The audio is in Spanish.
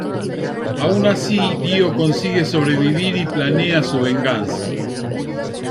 Aun así Dio consigue sobrevivir y planea su venganza.